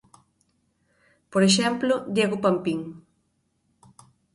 Por exemplo, Diego Pampín.